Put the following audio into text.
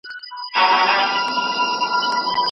افغانستان د کورونا څلورمې څپې سره مخ دی.